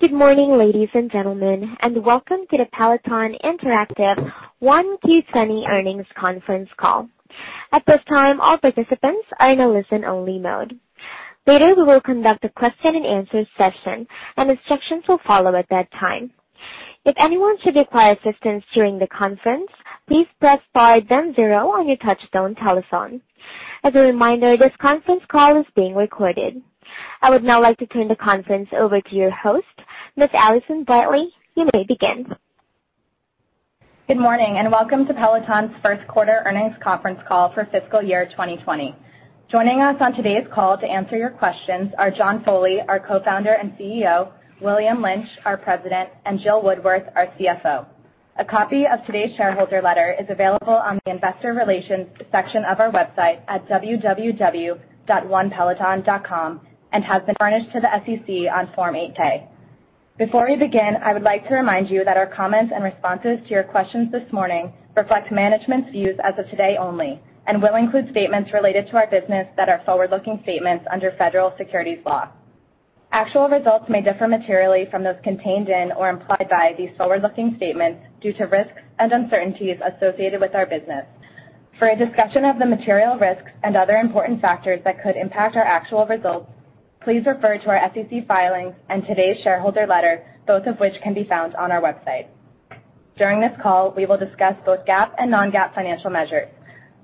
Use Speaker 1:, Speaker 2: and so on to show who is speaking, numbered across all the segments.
Speaker 1: Good morning, ladies and gentlemen, and welcome to the Peloton Interactive 1Q 2020 Earnings Conference Call. At this time, all participants are in a listen-only mode. Later, we will conduct a question and answer session, and instructions will follow at that time. If anyone should require assistance during the conference, please press star then zero on your touch-tone telephone. As a reminder, this conference call is being recorded. I would now like to turn the conference over to your host, Ms. Allison Bartley. You may begin.
Speaker 2: Good morning, and welcome to Peloton's first quarter earnings conference call for fiscal year 2020. Joining us on today's call to answer your questions are John Foley, our co-founder and CEO, William Lynch, our President, and Jill Woodworth, our CFO. A copy of today's shareholder letter is available on the investor relations section of our website at www.onepeloton.com and has been furnished to the SEC on Form 8-K. Before we begin, I would like to remind you that our comments and responses to your questions this morning reflect management's views as of today only and will include statements related to our business that are forward-looking statements under federal securities law. Actual results may differ materially from those contained in or implied by these forward-looking statements due to risks and uncertainties associated with our business. For a discussion of the material risks and other important factors that could impact our actual results, please refer to our SEC filings and today's shareholder letter, both of which can be found on our website. During this call, we will discuss both GAAP and non-GAAP financial measures.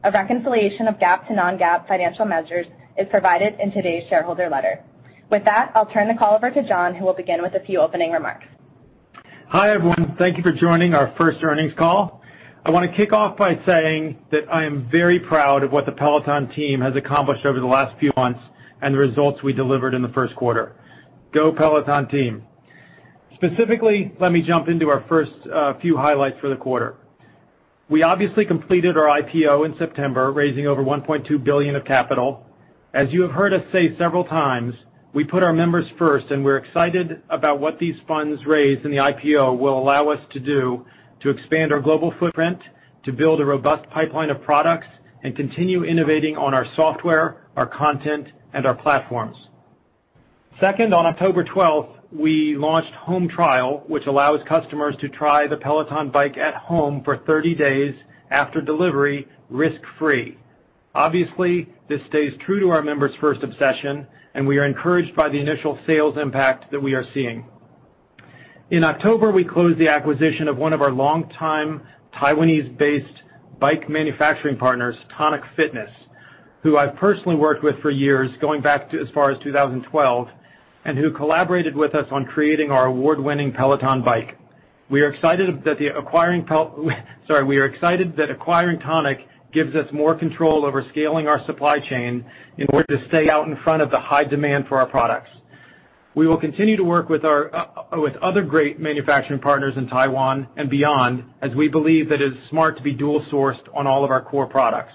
Speaker 2: A reconciliation of GAAP to non-GAAP financial measures is provided in today's shareholder letter. With that, I'll turn the call over to John, who will begin with a few opening remarks.
Speaker 3: Hi, everyone. Thank you for joining our first earnings call. I want to kick off by saying that I am very proud of what the Peloton team has accomplished over the last few months and the results we delivered in the first quarter. Go Peloton team. Specifically, let me jump into our first few highlights for the quarter. We obviously completed our IPO in September, raising over $1.2 billion of capital. As you have heard us say several times, we put our members first, and we're excited about what these funds raised in the IPO will allow us to do to expand our global footprint, to build a robust pipeline of products, and continue innovating on our software, our content, and our platforms. Second, on October 12th, we launched Home Trial, which allows customers to try the Peloton Bike at home for 30 days after delivery, risk-free. Obviously, this stays true to our members' first obsession, and we are encouraged by the initial sales impact that we are seeing. In October, we closed the acquisition of one of our longtime Taiwanese-based bike manufacturing partners, Tonic Fitness, who I've personally worked with for years, going back to as far as 2012, and who collaborated with us on creating our award-winning Peloton Bike. We are excited that acquiring Tonic gives us more control over scaling our supply chain in order to stay out in front of the high demand for our products. We will continue to work with other great manufacturing partners in Taiwan and beyond, as we believe that it's smart to be dual-sourced on all of our core products.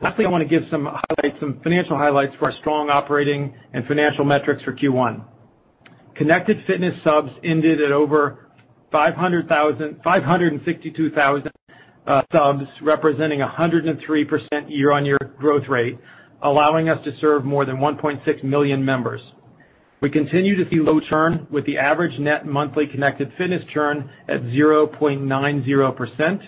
Speaker 3: Lastly, I want to give some financial highlights for our strong operating and financial metrics for Q1. Connected Fitness subs ended at over 562,000 subs, representing 103% year-on-year growth rate, allowing us to serve more than 1.6 million members. We continue to see low churn with the average net monthly Connected Fitness churn at 0.90%.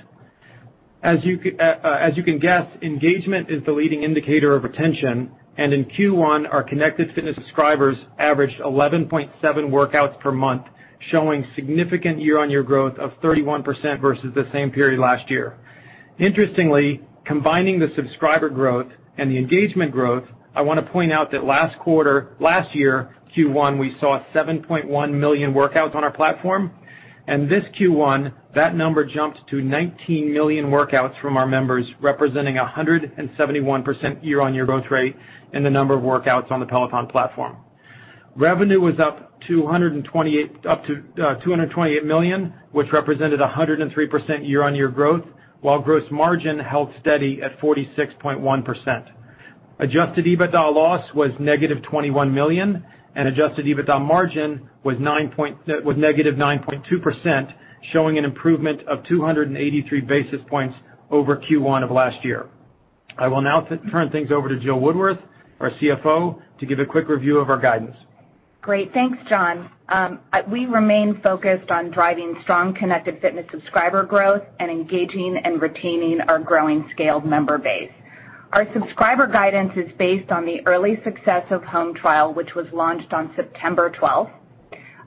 Speaker 3: As you can guess, engagement is the leading indicator of retention, and in Q1, our Connected Fitness subscribers averaged 11.7 workouts per month, showing significant year-on-year growth of 31% versus the same period last year. Interestingly, combining the subscriber growth and the engagement growth, I want to point out that last year, Q1, we saw 7.1 million workouts on our platform, and this Q1, that number jumped to 19 million workouts from our members, representing 171% year-on-year growth rate in the number of workouts on the Peloton platform. Revenue was up to $228 million, which represented 103% year-on-year growth, while gross margin held steady at 46.1%. Adjusted EBITDA loss was negative $21 million, and adjusted EBITDA margin was negative 9.2%, showing an improvement of 283 basis points over Q1 of last year. I will now turn things over to Jill Woodworth, our CFO, to give a quick review of our guidance.
Speaker 4: Great. Thanks, John. We remain focused on driving strong Connected Fitness subscriber growth and engaging and retaining our growing scaled member base. Our subscriber guidance is based on the early success of Home Trial, which was launched on September 12th.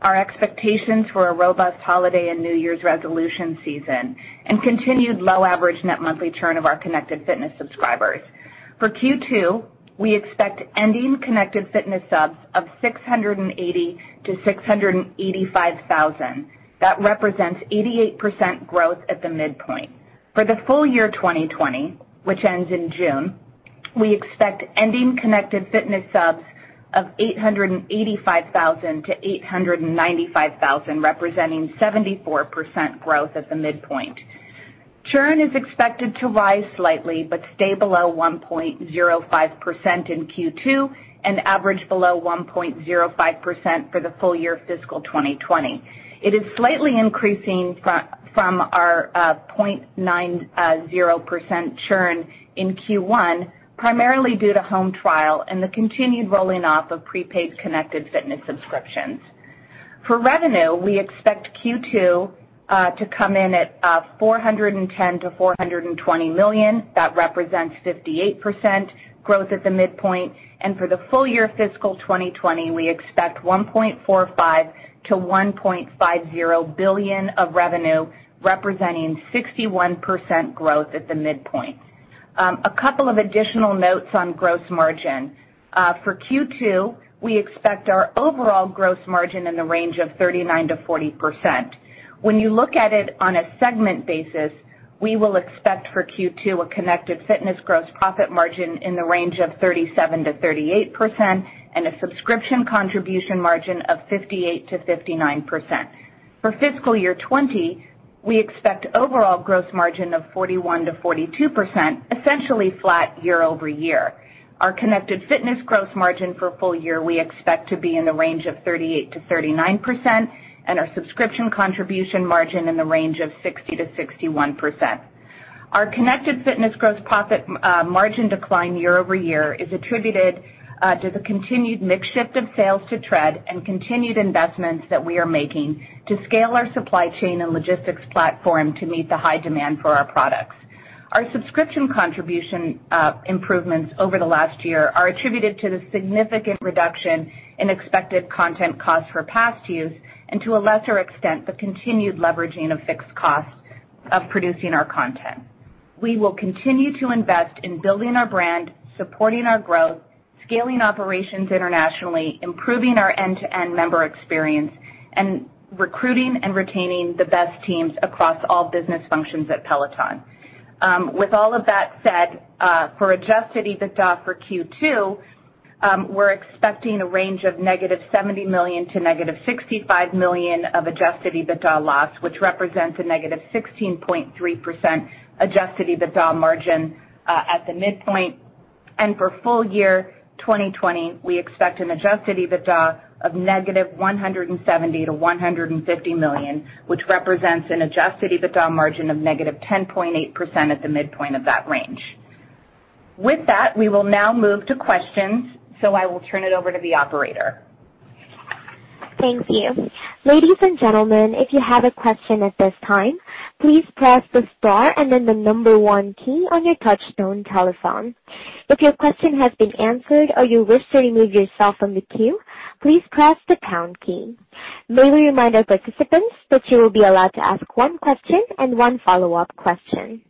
Speaker 4: Our expectations for a robust holiday and New Year's resolution season and continued low average net monthly churn of our Connected Fitness subscribers. For Q2, we expect ending Connected Fitness subs of 680,000 to 685,000. That represents 88% growth at the midpoint. For the full year 2020, which ends in June, we expect ending Connected Fitness subs of 885,000 to 895,000, representing 74% growth at the midpoint. Churn is expected to rise slightly, but stay below 1.05% in Q2 and average below 1.05% for the full year fiscal 2020. It is slightly increasing from our 0.90% churn in Q1, primarily due to Home Trial and the continued rolling off of prepaid Connected Fitness subscriptions. For revenue, we expect Q2 to come in at $410 million-$420 million. That represents 58% growth at the midpoint. For the full year fiscal 2020, we expect $1.45 billion-$1.50 billion of revenue, representing 61% growth at the midpoint. A couple of additional notes on gross margin. For Q2, we expect our overall gross margin in the range of 39%-40%. When you look at it on a segment basis, we will expect for Q2 a Connected Fitness gross profit margin in the range of 37%-38% and a subscription contribution margin of 58%-59%. For fiscal year 2020, we expect overall gross margin of 41%-42%, essentially flat year-over-year. Our Connected Fitness gross margin for full year, we expect to be in the range of 38%-39%, and our subscription contribution margin in the range of 60%-61%. Our Connected Fitness gross profit margin decline year-over-year is attributed to the continued mix shift of sales to Tread and continued investments that we are making to scale our supply chain and logistics platform to meet the high demand for our products. Our subscription contribution improvements over the last year are attributed to the significant reduction in expected content costs for past use and, to a lesser extent, the continued leveraging of fixed costs of producing our content. We will continue to invest in building our brand, supporting our growth, scaling operations internationally, improving our end-to-end member experience, and recruiting and retaining the best teams across all business functions at Peloton. With all of that said, for adjusted EBITDA for Q2, we're expecting a range of negative $70 million to negative $65 million of adjusted EBITDA loss, which represents a negative 16.3% adjusted EBITDA margin at the midpoint. For full year 2020, we expect an adjusted EBITDA of negative $170 million to $150 million, which represents an adjusted EBITDA margin of negative 10.8% at the midpoint of that range. With that, we will now move to questions. I will turn it over to the operator.
Speaker 1: Thank you. Ladies and gentlemen, if you have a question at this time, please press the star and then the number 1 key on your touchtone telephone. If your question has been answered or you wish to remove yourself from the queue, please press the pound key. May we remind our participants that you will be allowed to ask one question and one follow-up question.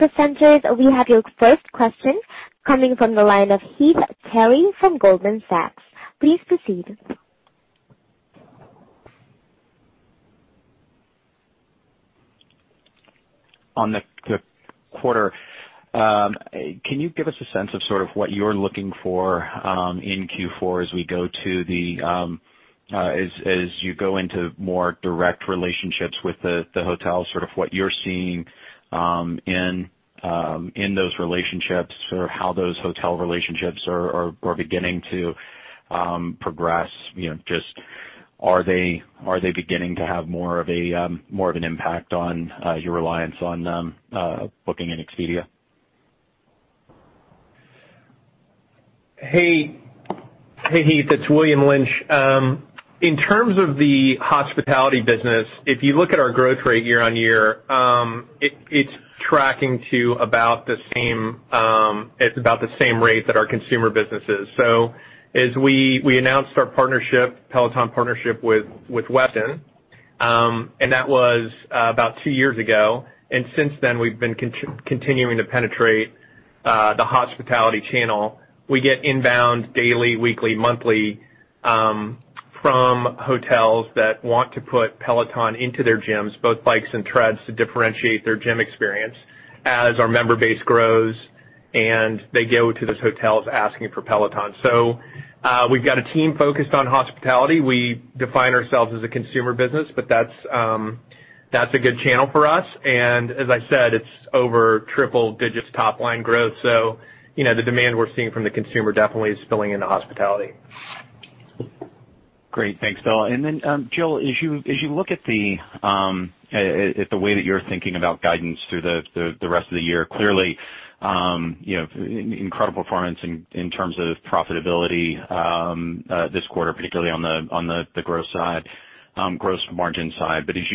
Speaker 1: Presenters, we have your first question coming from the line of Heath Terry from Goldman Sachs. Please proceed.
Speaker 5: On the quarter, can you give us a sense of sort of what you're looking for in Q4 as you go into more direct relationships with the hotels, sort of what you're seeing in those relationships, sort of how those hotel relationships are beginning to progress? Are they beginning to have more of an impact on your reliance on Booking and Expedia?
Speaker 6: Hey, Heath. It's William Lynch. In terms of the hospitality business, if you look at our growth rate year-on-year, it's about the same rate that our consumer business is. As we announced our Peloton partnership with Westin, and that was about two years ago, and since then, we've been continuing to penetrate the hospitality channel. We get inbound daily, weekly, monthly from hotels that want to put Peloton into their gyms, both bikes and treads, to differentiate their gym experience as our member base grows and they go to those hotels asking for Peloton. We've got a team focused on hospitality. We define ourselves as a consumer business, but that's a good channel for us. As I said, it's over triple digits top-line growth, so the demand we're seeing from the consumer definitely is spilling into hospitality.
Speaker 5: Great. Thanks, Bill. Then, Jill, as you look at the way that you're thinking about guidance through the rest of the year, clearly incredible performance in terms of profitability this quarter, particularly on the gross margin side. As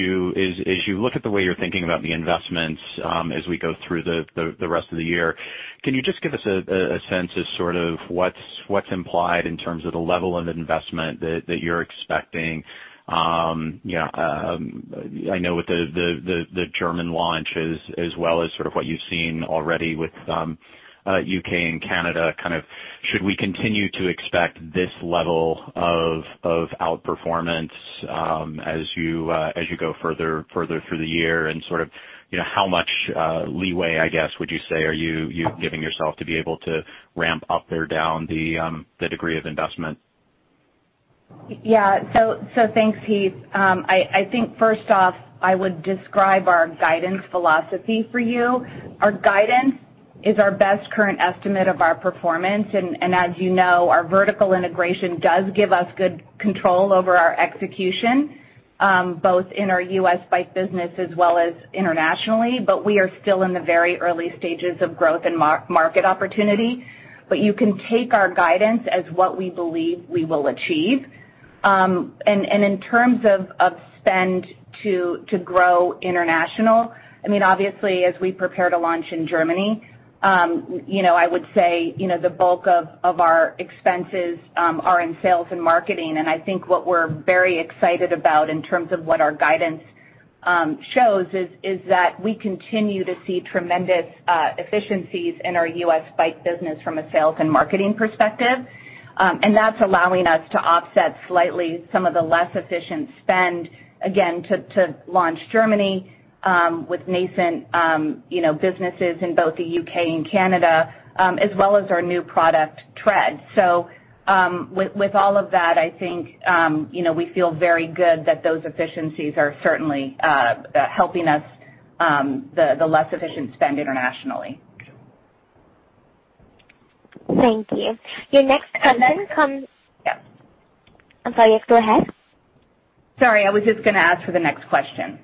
Speaker 5: you look at the way you're thinking about the investments as we go through the rest of the year, can you just give us a sense of sort of what's implied in terms of the level of investment that you're expecting? I know with the German launches as well as sort of what you've seen already with U.K. and Canada, should we continue to expect this level of outperformance as you go further through the year? Sort of how much leeway, I guess, would you say are you giving yourself to be able to ramp up or down the degree of investment?
Speaker 4: Yeah. Thanks, Heath. I think first off, I would describe our guidance philosophy for you. Our guidance is our best current estimate of our performance. As you know, our vertical integration does give us good control over our execution, both in our U.S. Bike business as well as internationally, but we are still in the very early stages of growth and market opportunity. You can take our guidance as what we believe we will achieve. In terms of spend to grow international, obviously as we prepare to launch in Germany, I would say, the bulk of our expenses are in sales and marketing. I think what we're very excited about in terms of what our guidance shows is that we continue to see tremendous efficiencies in our U.S. Bike business from a sales and marketing perspective. That's allowing us to offset slightly some of the less efficient spend, again, to launch Germany with nascent businesses in both the U.K. and Canada, as well as our new product, Tread. With all of that, I think, we feel very good that those efficiencies are certainly helping us, the less efficient spend internationally.
Speaker 1: Thank you. Your next question comes.
Speaker 4: And then.
Speaker 1: I'm sorry, yes, go ahead.
Speaker 4: Sorry, I was just going to ask for the next question.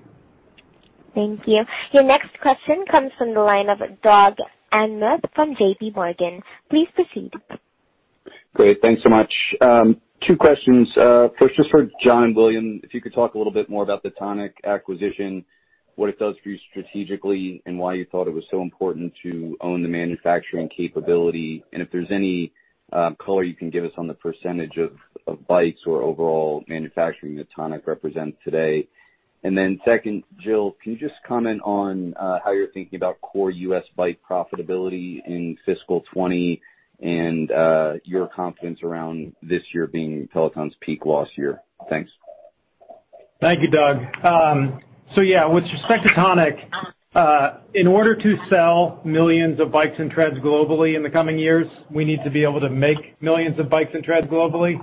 Speaker 1: Thank you. Your next question comes from the line of Doug Anmuth from J.P. Morgan. Please proceed.
Speaker 7: Great. Thanks so much. Two questions. First, just for John and William, if you could talk a little bit more about the Tonic acquisition, what it does for you strategically, and why you thought it was so important to own the manufacturing capability, and if there's any color you can give us on the percentage of bikes or overall manufacturing that Tonic represents today. Then second, Jill, can you just comment on how you're thinking about core U.S. bike profitability in fiscal 2020 and your confidence around this year being Peloton's peak loss year? Thanks.
Speaker 3: Thank you, Doug. Yeah, with respect to Tonic, in order to sell millions of bikes and treads globally in the coming years, we need to be able to make millions of bikes and treads globally.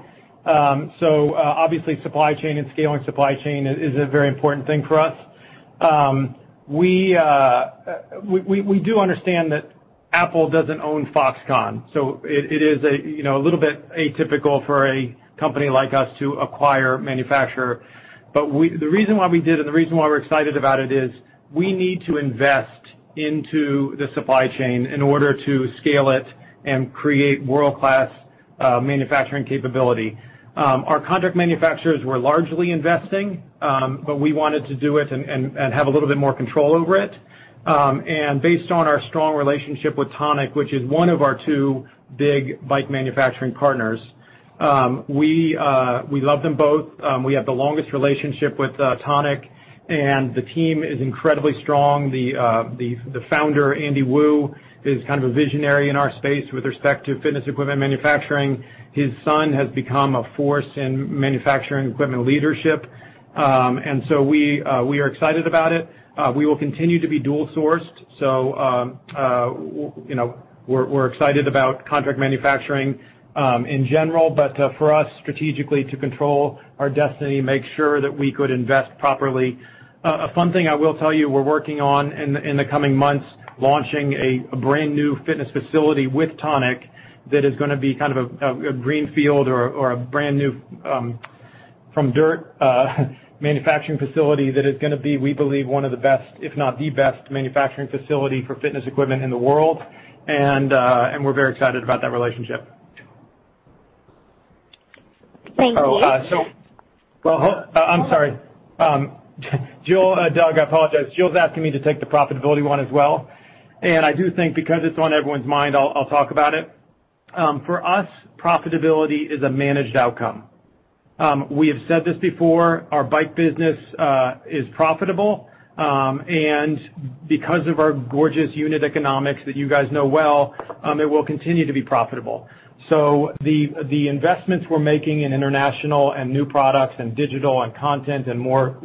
Speaker 3: Obviously supply chain and scaling supply chain is a very important thing for us. We do understand that Apple doesn't own Foxconn, so it is a little bit atypical for a company like us to acquire a manufacturer. But the reason why we did and the reason why we're excited about it is we need to invest into the supply chain in order to scale it and create world-class manufacturing capability. Our contract manufacturers were largely investing, but we wanted to do it and have a little bit more control over it. Based on our strong relationship with Tonic, which is one of our two big bike manufacturing partners. We love them both. We have the longest relationship with Tonic. The team is incredibly strong. The founder, Andy Wu, is kind of a visionary in our space with respect to fitness equipment manufacturing. His son has become a force in manufacturing equipment leadership. We are excited about it. We will continue to be dual-sourced. We're excited about contract manufacturing, in general, but for us strategically to control our destiny, make sure that we could invest properly. A fun thing I will tell you we're working on in the coming months, launching a brand-new fitness facility with Tonic that is going to be kind of a green field or a brand-new, from-dirt manufacturing facility that is going to be, we believe, one of the best, if not the best, manufacturing facility for fitness equipment in the world. We're very excited about that relationship.
Speaker 1: Thank you.
Speaker 3: I'm sorry. Doug, I apologize. Jill's asking me to take the profitability one as well, and I do think because it's on everyone's mind, I'll talk about it. For us, profitability is a managed outcome. We have said this before, our bike business is profitable. Because of our gorgeous unit economics that you guys know well, it will continue to be profitable. The investments we're making in international and new products and digital and content and more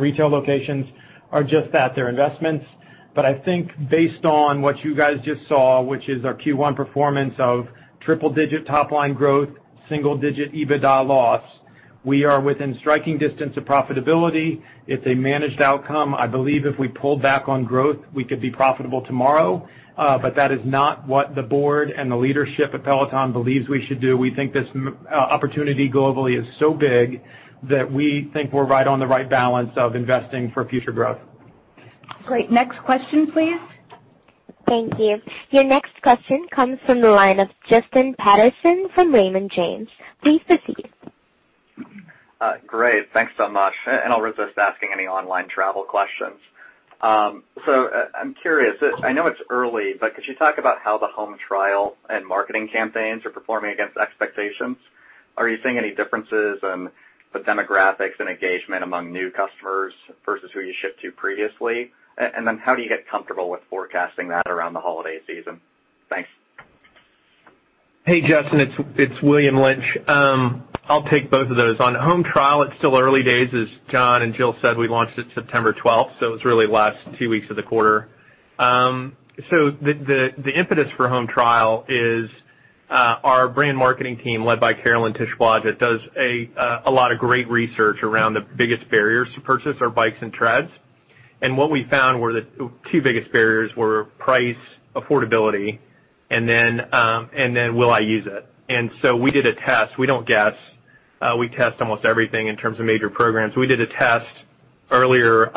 Speaker 3: retail locations are just that. They're investments. I think based on what you guys just saw, which is our Q1 performance of triple-digit top-line growth, single-digit EBITDA loss, we are within striking distance of profitability. It's a managed outcome. I believe if we pulled back on growth, we could be profitable tomorrow. That is not what the board and the leadership at Peloton believes we should do. We think this opportunity globally is so big that we think we're right on the right balance of investing for future growth.
Speaker 1: Great. Next question, please. Thank you. Your next question comes from the line of Justin Patterson from Raymond James. Please proceed.
Speaker 8: Great. Thanks so much. I'll resist asking any online travel questions. I'm curious, I know it's early, but could you talk about how the Home Trial and marketing campaigns are performing against expectations? Are you seeing any differences in the demographics and engagement among new customers versus who you shipped to previously? How do you get comfortable with forecasting that around the holiday season? Thanks.
Speaker 6: Hey, Justin, it's William Lynch. I'll take both of those. On Home Trial, it's still early days, as John and Jill said, we launched it September 12th, it was really the last two weeks of the quarter. The impetus for Home Trial is our brand marketing team, led by Carolyn Tisch Wojcik, does a lot of great research around the biggest barriers to purchase our bikes and treads. What we found were the two biggest barriers were price affordability and then will I use it? We don't guess. We test almost everything in terms of major programs. We did a test earlier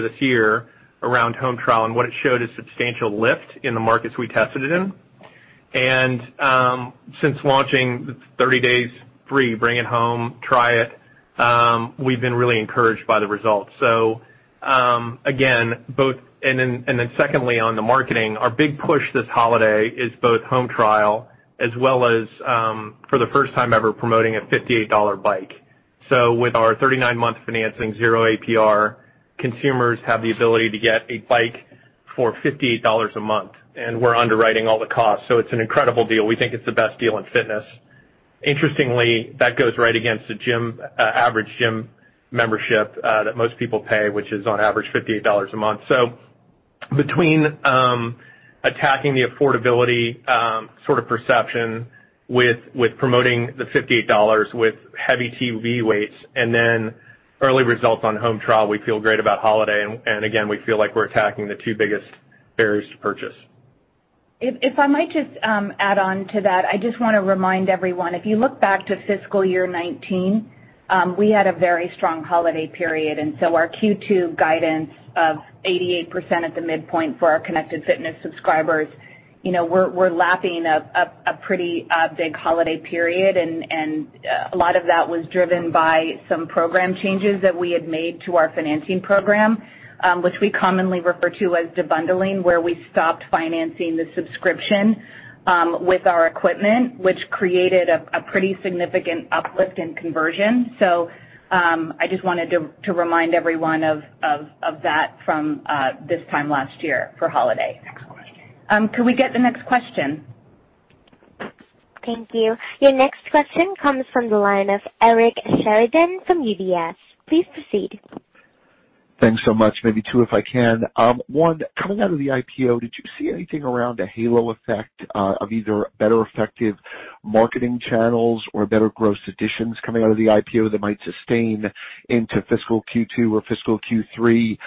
Speaker 6: this year around Home Trial, and what it showed is substantial lift in the markets we tested it in. Since launching 30 days free, bring it home, try it, we've been really encouraged by the results. Then secondly, on the marketing, our big push this holiday is both Home Trial as well as, for the first time ever, promoting a $58 Bike. With our 39-month financing, zero APR, consumers have the ability to get a Bike for $58 a month, and we're underwriting all the costs. It's an incredible deal. We think it's the best deal in fitness. Interestingly, that goes right against the average gym membership that most people pay, which is on average $58 a month. Between attacking the affordability sort of perception with promoting the $58 with heavy TV weights and then early results on Home Trial, we feel great about holiday. Again, we feel like we're attacking the two biggest barriers to purchase.
Speaker 4: If I might just add on to that, I just want to remind everyone, if you look back to fiscal year 2019, we had a very strong holiday period. Our Q2 guidance of 88% at the midpoint for our Connected Fitness subscribers, we're lapping a pretty big holiday period. A lot of that was driven by some program changes that we had made to our financing program, which we commonly refer to as de-bundling, where we stopped financing the subscription with our equipment, which created a pretty significant uplift in conversion. I just wanted to remind everyone of that from this time last year for holiday.
Speaker 6: Next question.
Speaker 4: Can we get the next question?
Speaker 1: Thank you. Your next question comes from the line of Eric Sheridan from UBS. Please proceed.
Speaker 9: Thanks so much. Maybe two, if I can. One, coming out of the IPO, did you see anything around a halo effect of either better effective marketing channels or better gross additions coming out of the IPO that might sustain into fiscal Q2 or fiscal Q3?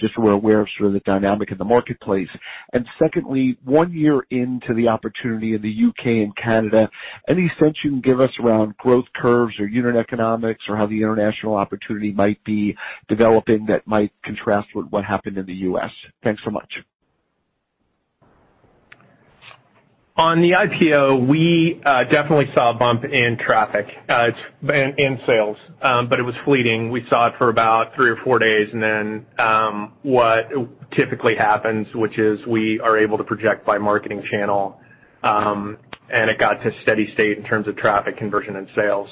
Speaker 9: Just so we're aware of sort of the dynamic in the marketplace. And secondly, one year into the opportunity in the U.K. and Canada, any sense you can give us around growth curves or unit economics or how the international opportunity might be developing that might contrast with what happened in the U.S.? Thanks so much.
Speaker 6: On the IPO, we definitely saw a bump in traffic and sales. It was fleeting. We saw it for about three or four days, what typically happens, which is we are able to project by marketing channel, and it got to steady state in terms of traffic conversion and sales.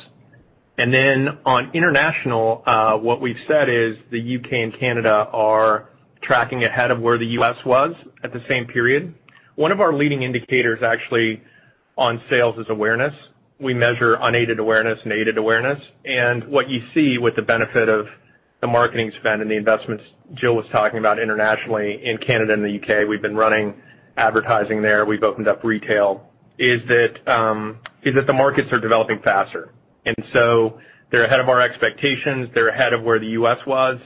Speaker 6: On international, what we've said is the U.K. and Canada are tracking ahead of where the U.S. was at the same period. One of our leading indicators, actually, on sales is awareness. We measure unaided awareness and aided awareness. What you see with the benefit of the marketing spend and the investments Jill was talking about internationally in Canada and the U.K., we've been running advertising there, we've opened up retail, is that the markets are developing faster. They're ahead of our expectations. They're ahead of where the U.S. was.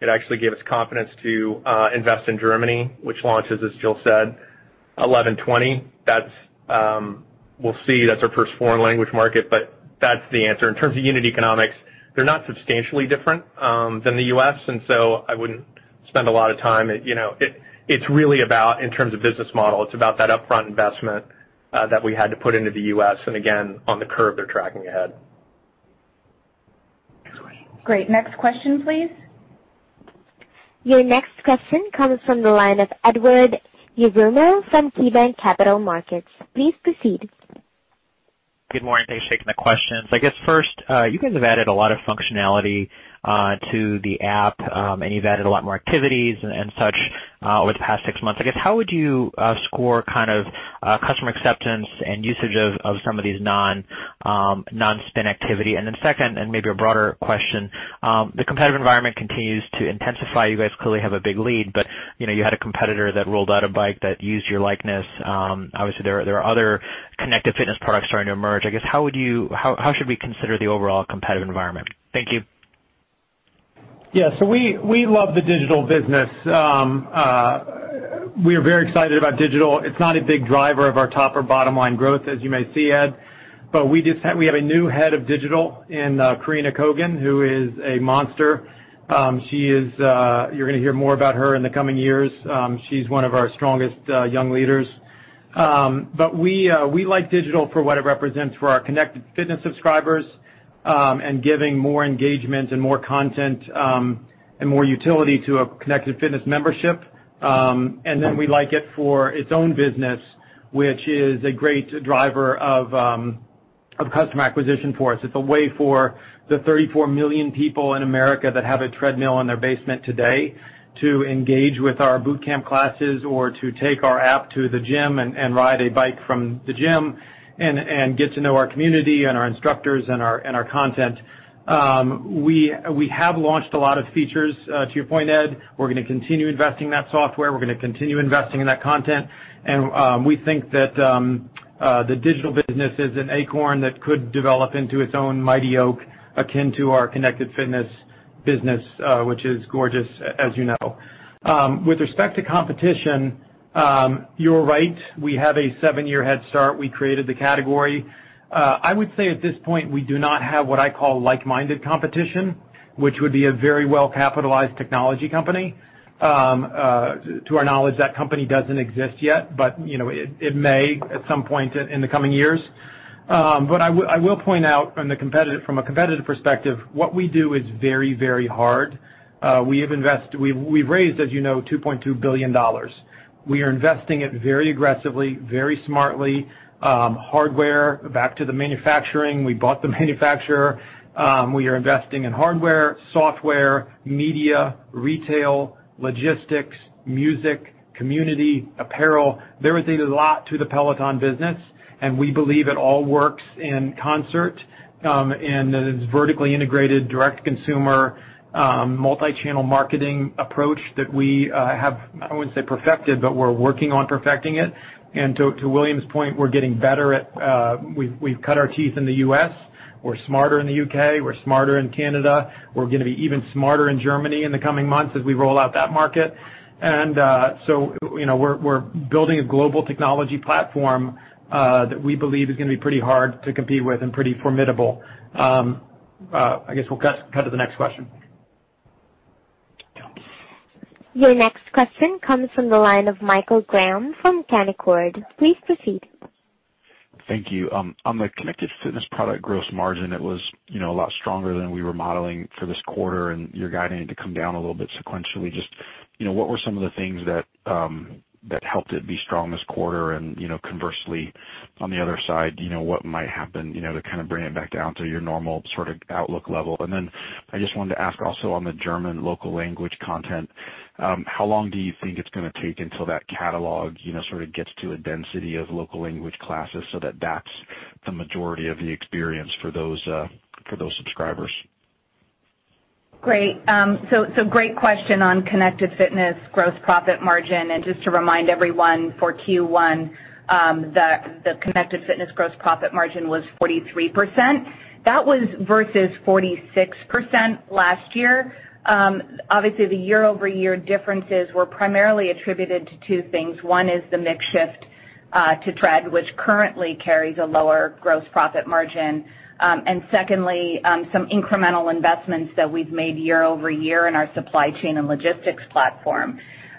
Speaker 6: It actually gave us confidence to invest in Germany, which launches, as Jill said, 11/20. We'll see. That's our first foreign language market, but that's the answer. In terms of unit economics, they're not substantially different than the U.S., and so I wouldn't spend a lot of time. In terms of business model, it's about that upfront investment that we had to put into the U.S. Again, on the curve, they're tracking ahead.
Speaker 1: Next question.
Speaker 4: Great. Next question, please.
Speaker 1: Your next question comes from the line of Edward Yruma from KeyBanc Capital Markets. Please proceed.
Speaker 10: Good morning. Thanks for taking the questions. I guess first, you guys have added a lot of functionality to the Peloton App, and you've added a lot more activities and such over the past six months. I guess, how would you score customer acceptance and usage of some of these non-spin activity? Second, and maybe a broader question, the competitive environment continues to intensify. You guys clearly have a big lead, but you had a competitor that rolled out a bike that used your likeness. Obviously, there are other Connected Fitness products starting to emerge. I guess, how should we consider the overall competitive environment? Thank you.
Speaker 6: Yeah. We love the digital business. We are very excited about digital. It's not a big driver of our top or bottom-line growth, as you may see, Ed, we have a new head of digital in Karina Kogan, who is a monster. You're going to hear more about her in the coming years. She's one of our strongest young leaders. We like digital for what it represents for our Connected Fitness subscribers, and giving more engagement and more content and more utility to a Connected Fitness membership. We like it for its own business, which is a great driver of customer acquisition for us. It's a way for the 34 million people in America that have a treadmill in their basement today to engage with our boot camp classes or to take our app to the gym and ride a bike from the gym and get to know our community and our instructors and our content. We have launched a lot of features, to your point, Ed. We're going to continue investing in that software. We're going to continue investing in that content. We think that.
Speaker 3: The digital business is an acorn that could develop into its own mighty oak, akin to our Connected Fitness business, which is gorgeous, as you know. With respect to competition, you're right. We have a seven-year head start. We created the category. I would say at this point, we do not have what I call like-minded competition, which would be a very well-capitalized technology company. To our knowledge, that company doesn't exist yet, it may at some point in the coming years. I will point out from a competitive perspective, what we do is very, very hard. We've raised, as you know, $2.2 billion. We are investing it very aggressively, very smartly. Hardware, back to the manufacturing. We bought the manufacturer. We are investing in hardware, software, media, retail, logistics, music, community, apparel. There is a lot to the Peloton business. We believe it all works in concert. It is vertically integrated, direct-to-consumer, multi-channel marketing approach that we have, I wouldn't say perfected, but we're working on perfecting it. To William's point, we've cut our teeth in the U.S., we're smarter in the U.K., we're smarter in Canada. We're going to be even smarter in Germany in the coming months as we roll out that market. We're building a global technology platform that we believe is going to be pretty hard to compete with and pretty formidable. I guess we'll cut to the next question.
Speaker 1: Your next question comes from the line of Michael Graham from Canaccord. Please proceed.
Speaker 11: Thank you. On the Connected Fitness product gross margin, it was a lot stronger than we were modeling for this quarter. You're guiding it to come down a little bit sequentially. Just what were some of the things that helped it be strong this quarter? Conversely, on the other side, what might happen to kind of bring it back down to your normal sort of outlook level? I just wanted to ask also on the German local language content, how long do you think it's going to take until that catalog sort of gets to a density of local language classes so that that's the majority of the experience for those subscribers?
Speaker 4: Great. Great question on Connected Fitness gross profit margin. Just to remind everyone, for Q1, the Connected Fitness gross profit margin was 43%. That was versus 46% last year. Obviously, the year-over-year differences were primarily attributed to two things. One is the mix shift to Tread, which currently carries a lower gross profit margin. Secondly, some incremental investments that we've made year-over-year in our supply chain and logistics platform.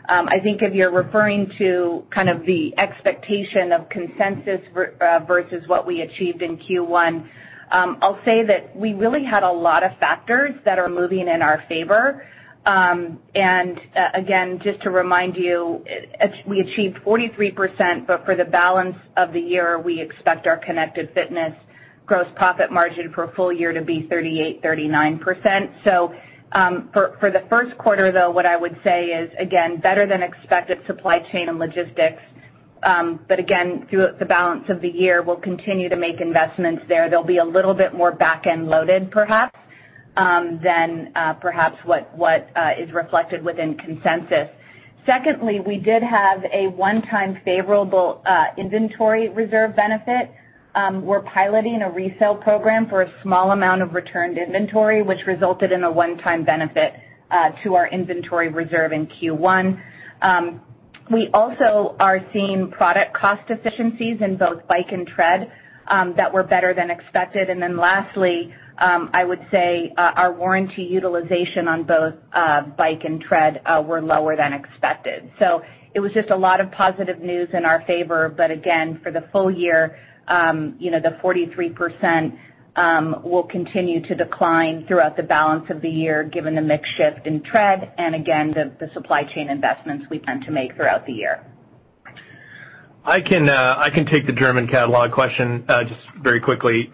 Speaker 4: I think if you're referring to kind of the expectation of consensus versus what we achieved in Q1, I'll say that we really had a lot of factors that are moving in our favor. Again, just to remind you, we achieved 43%, but for the balance of the year, we expect our Connected Fitness gross profit margin for a full year to be 38%-39%. For the first quarter, though, what I would say is, again, better than expected supply chain and logistics. Again, through the balance of the year, we'll continue to make investments there. They'll be a little bit more back-end loaded perhaps, than perhaps what is reflected within consensus. Secondly, we did have a one-time favorable inventory reserve benefit. We're piloting a resale program for a small amount of returned inventory, which resulted in a one-time benefit to our inventory reserve in Q1. We also are seeing product cost efficiencies in both Bike and Tread that were better than expected. Lastly, I would say our warranty utilization on both Bike and Tread were lower than expected. It was just a lot of positive news in our favor. Again, for the full year, the 43% will continue to decline throughout the balance of the year given the mix shift in Tread and again, the supply chain investments we plan to make throughout the year.
Speaker 3: I can take the German catalog question just very quickly.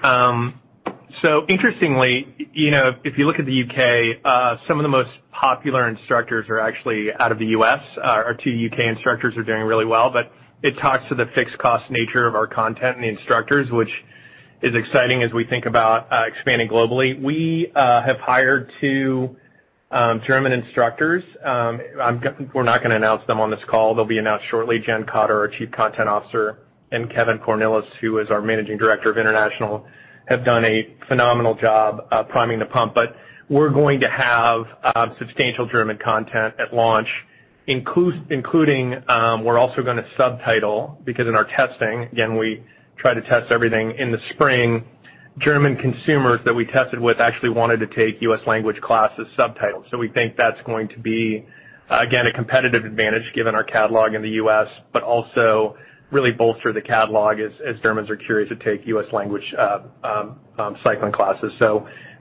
Speaker 3: Interestingly, if you look at the U.K., some of the most popular instructors are actually out of the U.S. Our two U.K. instructors are doing really well, but it talks to the fixed cost nature of our content and the instructors, which is exciting as we think about expanding globally. We have hired two German instructors. We're not going to announce them on this call. They'll be announced shortly. Jennifer Cotter, our Chief Content Officer, and Kevin Cornils, who is our Managing Director of International, have done a phenomenal job priming the pump. We're going to have substantial German content at launch, including, we're also going to subtitle, because in our testing, again, we try to test everything in the spring. German consumers that we tested with actually wanted to take U.S. language classes subtitled. We think that's going to be, again, a competitive advantage given our catalog in the U.S., but also really bolster the catalog as Germans are curious to take U.S. language cycling classes.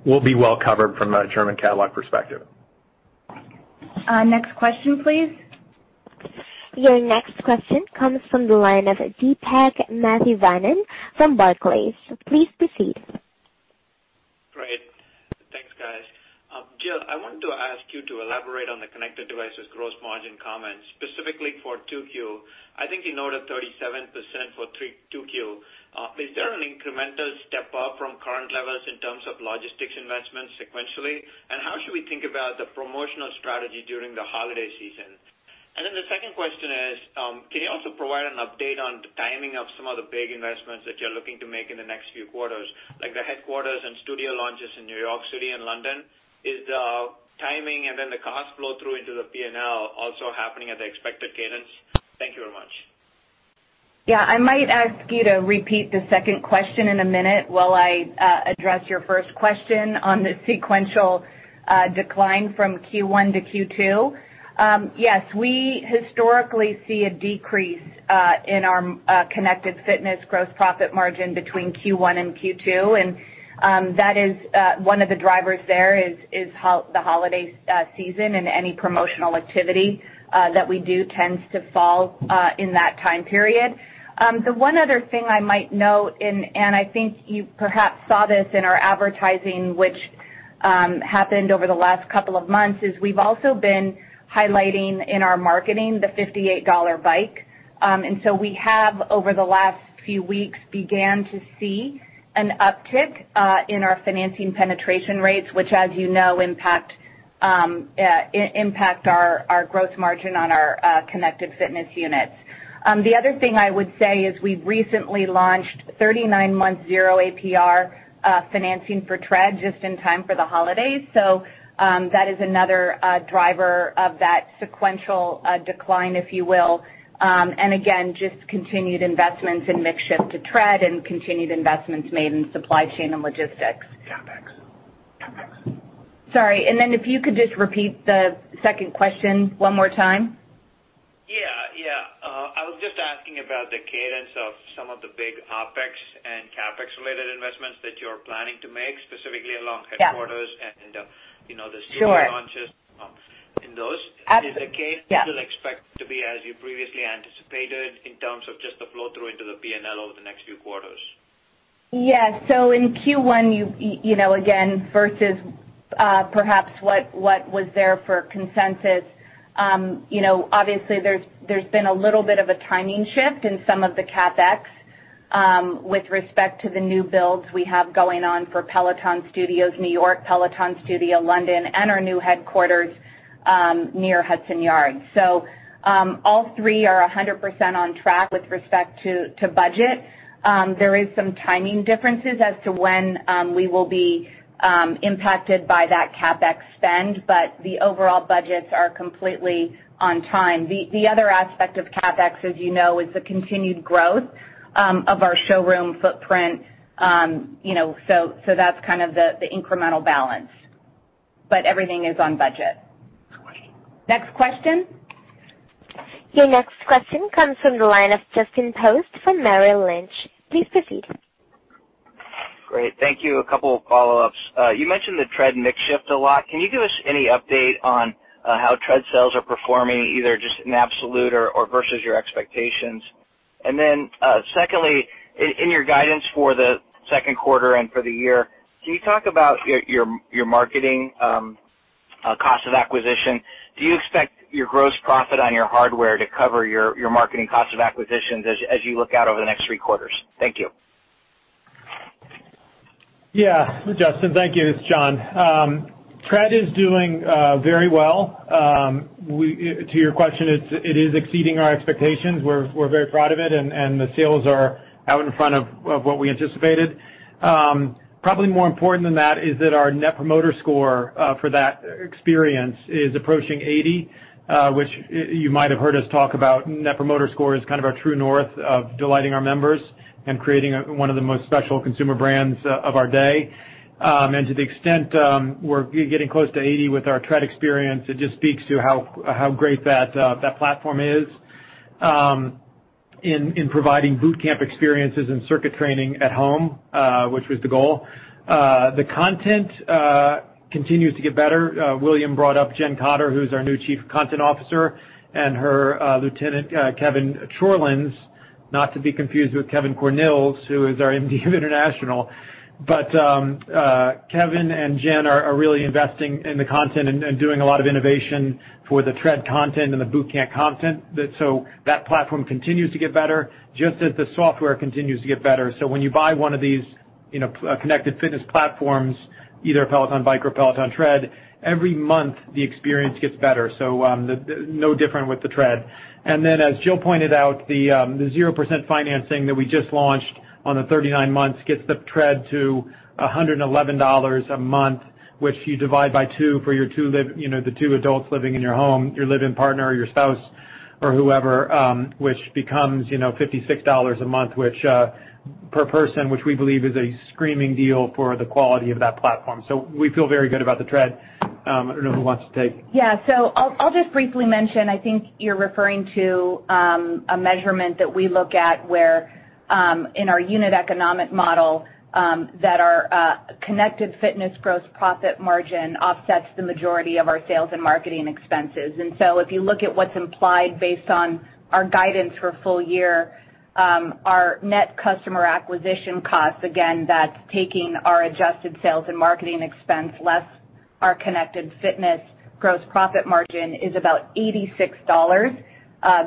Speaker 3: We'll be well covered from a German catalog perspective.
Speaker 1: Next question, please. Your next question comes from the line of Deepak Mathivanan from Barclays. Please proceed.
Speaker 12: Great. Thanks, guys. Jill, I wanted to ask you to elaborate on the connected devices gross margin comments, specifically for 2Q. I think you noted 37% for 2Q. Is there an incremental step up from current levels in terms of logistics investments sequentially? How should we think about the promotional strategy during the holiday season? The second question is, can you also provide an update on the timing of some of the big investments that you're looking to make in the next few quarters, like the headquarters and studio launches in New York City and London? Is the timing and then the cost flow through into the P&L also happening at the expected cadence? Thank you very much.
Speaker 4: I might ask you to repeat the second question in a minute while I address your first question on the sequential decline from Q1 to Q2. We historically see a decrease in our connected fitness gross profit margin between Q1 and Q2, and that is one of the drivers there is the holiday season and any promotional activity that we do tends to fall in that time period. The one other thing I might note, and I think you perhaps saw this in our advertising, which happened over the last couple of months, is we've also been highlighting in our marketing the $58 bike. We have, over the last few weeks, began to see an uptick in our financing penetration rates, which as you know, impact our gross margin on our connected fitness units. The other thing I would say is we've recently launched 39-month zero APR financing for Tread just in time for the holidays. That is another driver of that sequential decline, if you will. Again, just continued investments in mix shift to Tread and continued investments made in supply chain and logistics.
Speaker 12: CapEx.
Speaker 4: Sorry, if you could just repeat the second question one more time.
Speaker 12: Yeah. I was just asking about the cadence of some of the big OpEx and CapEx related investments that you're planning to make, specifically along headquarters and the studio launches in those.
Speaker 4: Sure. Absolutely. Yeah.
Speaker 12: Is the case still expected to be, as you previously anticipated, in terms of just the flow-through into the P&L over the next few quarters?
Speaker 4: Yeah. In Q1, again, versus perhaps what was there for consensus, obviously there's been a little bit of a timing shift in some of the CapEx, with respect to the new builds we have going on for Peloton Studios New York, Peloton Studio London, and our new headquarters, near Hudson Yards. All three are 100% on track with respect to budget. There is some timing differences as to when we will be impacted by that CapEx spend, but the overall budgets are completely on time. The other aspect of CapEx, as you know, is the continued growth of our showroom footprint. That's kind of the incremental balance, but everything is on budget.
Speaker 12: Got it.
Speaker 4: Next question.
Speaker 1: Your next question comes from the line of Justin Post from Merrill Lynch. Please proceed.
Speaker 13: Great. Thank you. A couple of follow-ups. You mentioned the Tread mix shift a lot. Can you give us any update on how Tread sales are performing, either just in absolute or versus your expectations? Secondly, in your guidance for the second quarter and for the year, can you talk about your marketing cost of acquisition? Do you expect your gross profit on your hardware to cover your marketing cost of acquisitions as you look out over the next three quarters? Thank you.
Speaker 3: Yeah, Justin, thank you. It's John. Tread is doing very well. To your question, it is exceeding our expectations. We're very proud of it, and the sales are out in front of what we anticipated. Probably more important than that is that our Net Promoter Score for that experience is approaching 80, which you might have heard us talk about. Net Promoter Score is kind of our true north of delighting our members and creating one of the most special consumer brands of our day. To the extent we're getting close to 80 with our Tread experience, it just speaks to how great that platform is, in providing boot camp experiences and circuit training at home, which was the goal. The content continues to get better. William brought up Jennifer Cotter, who's our new Chief Content Officer, and her lieutenant, Kevin Chorlins, not to be confused with Kevin Cornils, who is our MD of International. Kevin and Jen are really investing in the content and doing a lot of innovation for the Tread content and the boot camp content. That platform continues to get better, just as the software continues to get better. When you buy one of these Connected Fitness platforms, either Peloton Bike or Peloton Tread, every month, the experience gets better, so no different with the Tread. Then, as Jill pointed out, the 0% financing that we just launched on the 39 months gets the Tread to $111 a month, which you divide by two for the two adults living in your home, your live-in partner or your spouse or whoever, which becomes $56 a month, per person, which we believe is a screaming deal for the quality of that platform. We feel very good about the Tread. I don't know who wants to take
Speaker 4: Yeah. I'll just briefly mention, I think you're referring to a measurement that we look at where, in our unit economic model, that our Connected Fitness gross profit margin offsets the majority of our sales and marketing expenses. If you look at what's implied based on our guidance for full year, our net customer acquisition cost, again, that's taking our adjusted sales and marketing expense less our Connected Fitness gross profit margin is about $86.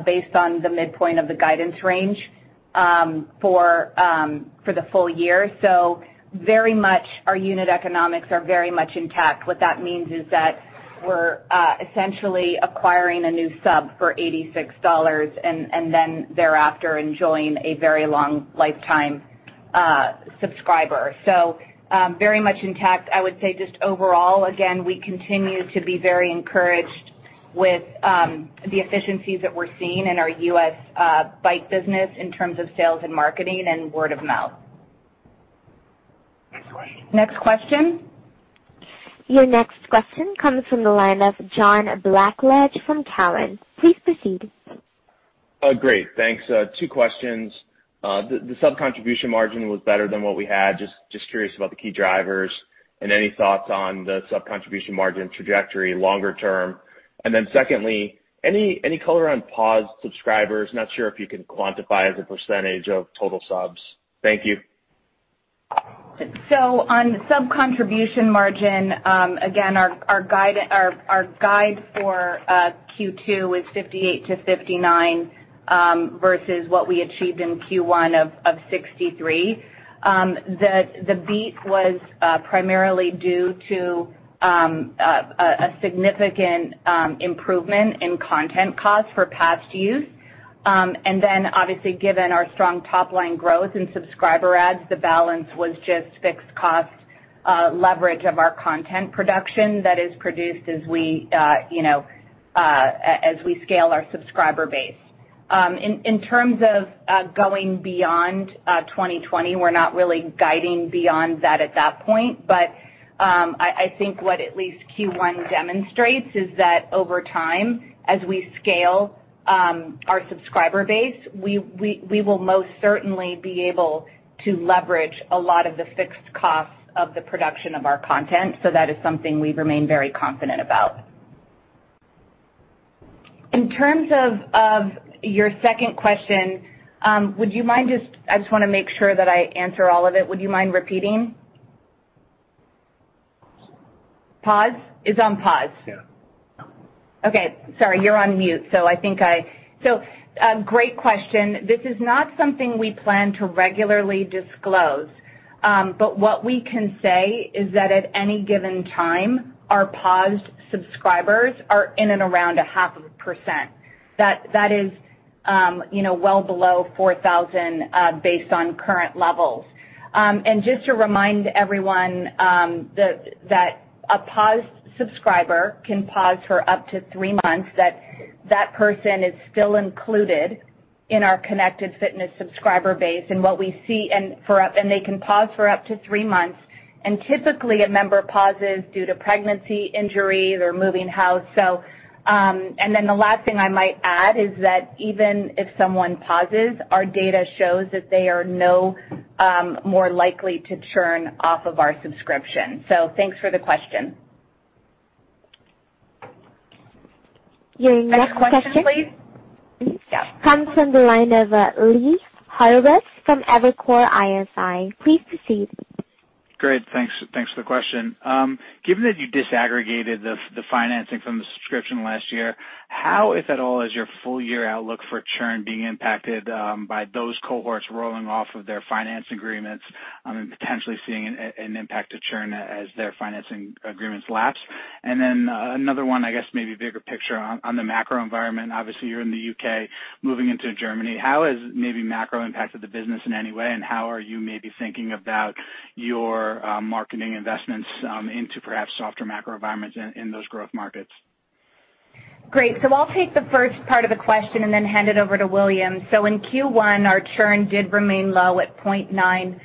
Speaker 4: Based on the midpoint of the guidance range for the full year. Our unit economics are very much intact. What that means is that we're essentially acquiring a new sub for $86 and then thereafter enjoying a very long lifetime subscriber. Very much intact. I would say just overall, again, we continue to be very encouraged with the efficiencies that we're seeing in our U.S. bike business in terms of sales and marketing and word of mouth.
Speaker 3: Next question.
Speaker 4: Next question.
Speaker 1: Your next question comes from the line of John Blackledge from Cowen. Please proceed.
Speaker 14: Great, thanks. Two questions. The sub contribution margin was better than what we had, just curious about the key drivers and any thoughts on the sub contribution margin trajectory longer term. Secondly, any color on paused subscribers? Not sure if you can quantify as a % of total subs. Thank you.
Speaker 4: On the sub contribution margin, again, our guide for Q2 is 58%-59%, versus what we achieved in Q1 of 63%. The beat was primarily due to a significant improvement in content cost for past use. Obviously, given our strong top-line growth in subscriber adds, the balance was just fixed cost leverage of our content production that is produced as we scale our subscriber base. In terms of going beyond 2020, we're not really guiding beyond that at that point. I think what at least Q1 demonstrates is that over time, as we scale our subscriber base, we will most certainly be able to leverage a lot of the fixed costs of the production of our content. That is something we remain very confident about. In terms of your second question, I just want to make sure that I answer all of it. Would you mind repeating? Paused? It's on pause.
Speaker 14: Yeah.
Speaker 4: Okay. Sorry, you're on mute. Great question. This is not something we plan to regularly disclose. What we can say is that at any given time, our paused subscribers are in and around a half a percent. That is well below 4,000, based on current levels. Just to remind everyone, that a paused subscriber can pause for up to three months, that person is still included in our Connected Fitness subscriber base, and they can pause for up to three months. Typically, a member pauses due to pregnancy, injury. They're moving house. The last thing I might add is that even if someone pauses, our data shows that they are no more likely to churn off of our subscription. Thanks for the question.
Speaker 1: Your next question.
Speaker 4: Next question, please. Yeah
Speaker 1: comes from the line of Lee Horowitz from Evercore ISI. Please proceed.
Speaker 15: Great. Thanks for the question. Given that you disaggregated the financing from the subscription last year, how, if at all, is your full year outlook for churn being impacted by those cohorts rolling off of their finance agreements and potentially seeing an impact to churn as their financing agreements lapse? Then another one, I guess maybe bigger picture on the macro environment. Obviously, you're in the U.K. moving into Germany. How has maybe macro impacted the business in any way, and how are you maybe thinking about your marketing investments into perhaps softer macro environments in those growth markets?
Speaker 4: Great. I'll take the first part of the question and then hand it over to William. In Q1, our churn did remain low at 0.9%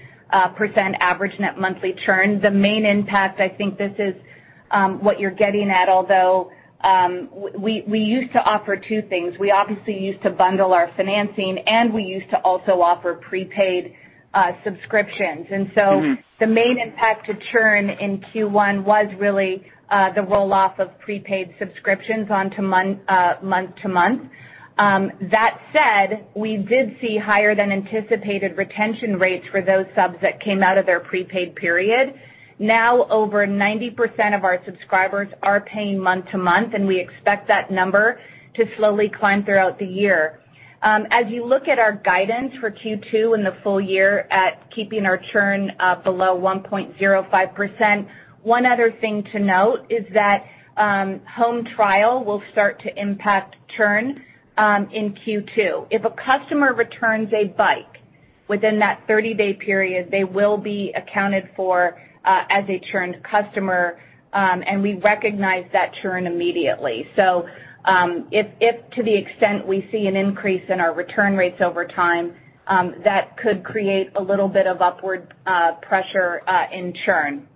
Speaker 4: average net monthly churn. The main impact, I think this is what you're getting at, although we used to offer two things. We obviously used to bundle our financing, and we used to also offer prepaid subscriptions. The main impact to churn in Q1 was really the roll-off of prepaid subscriptions on to month to month. That said, we did see higher than anticipated retention rates for those subs that came out of their prepaid period. Over 90% of our subscribers are paying month to month, and we expect that number to slowly climb throughout the year. As you look at our guidance for Q2 and the full year at keeping our churn below 1.05%, one other thing to note is that Home Trial will start to impact churn in Q2. If a customer returns a bike within that 30-day period, they will be accounted for as a churned customer, and we recognize that churn immediately. If to the extent we see an increase in our return rates over time, that could create a little bit of upward pressure in churn.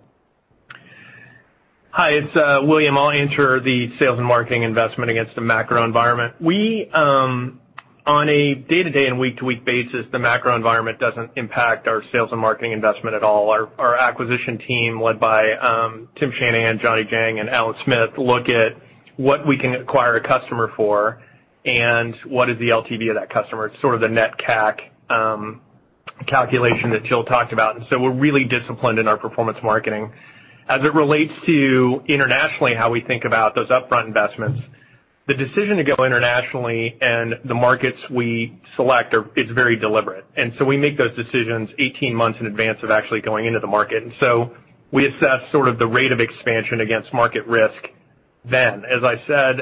Speaker 6: Hi, it's William. I'll answer the sales and marketing investment against the macro environment. On a day to day and week to week basis, the macro environment doesn't impact our sales and marketing investment at all. Our acquisition team led by Francis Shanahan, Johnny Jeng, and Alan Smith look at what we can acquire a customer for and what is the LTV of that customer. It's sort of the net CAC
Speaker 3: Calculation that Jill talked about. We're really disciplined in our performance marketing. As it relates to internationally, how we think about those upfront investments, the decision to go internationally and the markets we select is very deliberate. We make those decisions 18 months in advance of actually going into the market. We assess sort of the rate of expansion against market risk then. As I said,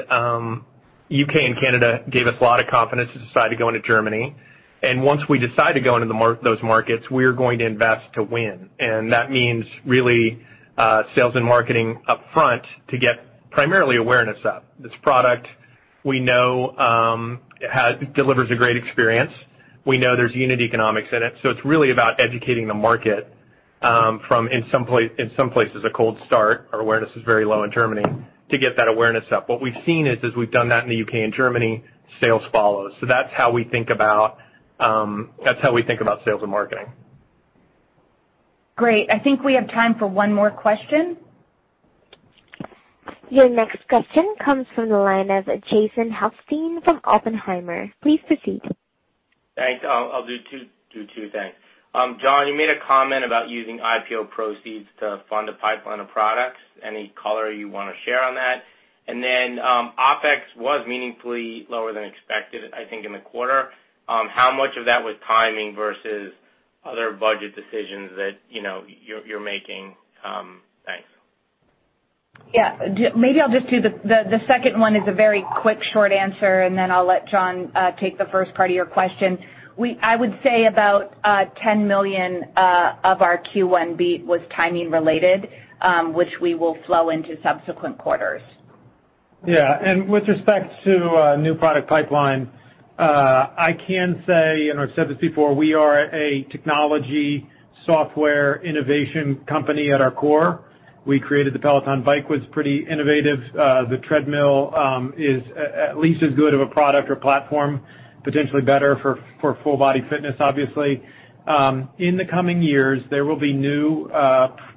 Speaker 3: U.K. and Canada gave us a lot of confidence to decide to go into Germany. Once we decide to go into those markets, we're going to invest to win, and that means really sales and marketing upfront to get primarily awareness up. This product we know delivers a great experience. We know there's unit economics in it, so it's really about educating the market, from, in some places, a cold start, our awareness is very low in Germany, to get that awareness up. What we've seen is, as we've done that in the U.K. and Germany, sales follow. That's how we think about sales and marketing.
Speaker 4: Great. I think we have time for one more question.
Speaker 1: Your next question comes from the line of Jason Helfstein from Oppenheimer. Please proceed.
Speaker 16: Thanks. I'll do two things. John, you made a comment about using IPO proceeds to fund a pipeline of products. Any color you want to share on that? OpEx was meaningfully lower than expected, I think, in the quarter. How much of that was timing versus other budget decisions that you're making? Thanks.
Speaker 4: Yeah. Maybe I'll just do the second one as a very quick, short answer, and then I'll let John take the first part of your question. I would say about $10 million of our Q1 beat was timing related, which we will flow into subsequent quarters.
Speaker 3: Yeah. With respect to new product pipeline, I can say, and I've said this before, we are a technology software innovation company at our core. We created the Peloton Bike, was pretty innovative. The Peloton Tread is at least as good of a product or platform, potentially better for full body fitness, obviously. In the coming years, there will be new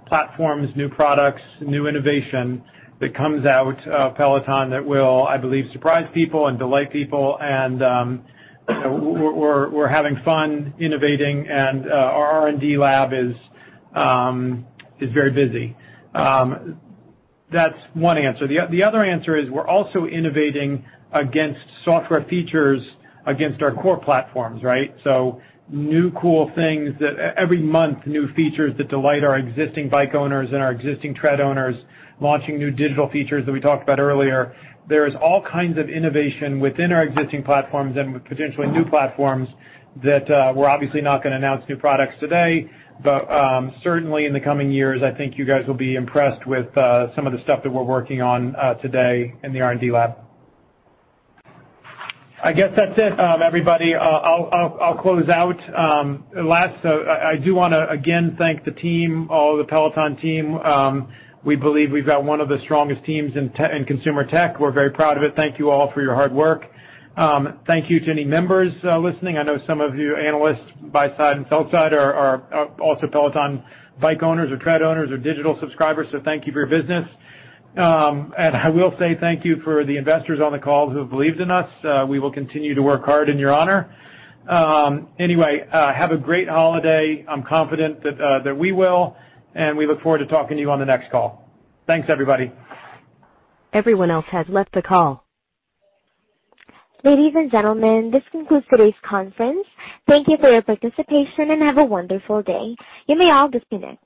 Speaker 3: platforms, new products, new innovation that comes out of Peloton that will, I believe, surprise people and delight people. We're having fun innovating. Our R&D lab is very busy. That's one answer. The other answer is we're also innovating against software features against our core platforms, right? New cool things, every month, new features that delight our existing Bike owners and our existing Tread owners, launching new digital features that we talked about earlier. There is all kinds of innovation within our existing platforms and with potentially new platforms that we're obviously not going to announce new products today. Certainly in the coming years, I think you guys will be impressed with some of the stuff that we're working on today in the R&D lab. I guess that's it, everybody. I'll close out. Last, I do want to, again, thank the team, all of the Peloton team. We believe we've got one of the strongest teams in consumer tech. We're very proud of it. Thank you all for your hard work. Thank you to any members listening. I know some of you analysts, buy side and sell side, are also Peloton Bike owners or Peloton Tread owners or digital subscribers, so thank you for your business. I will say thank you for the investors on the call who have believed in us. We will continue to work hard in your honor. Anyway, have a great holiday. I'm confident that we will, and we look forward to talking to you on the next call. Thanks, everybody.
Speaker 1: Everyone else has left the call. Ladies and gentlemen, this concludes today's conference. Thank you for your participation, and have a wonderful day. You may all disconnect.